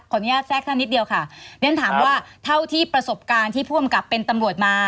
อนุญาตแทรกท่านนิดเดียวค่ะเรียนถามว่าเท่าที่ประสบการณ์ที่ผู้กำกับเป็นตำรวจมา